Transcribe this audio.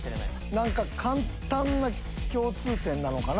何か簡単な共通点なのかな